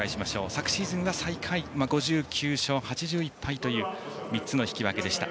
昨シーズンは最下位５９勝８１敗、３つの引き分け。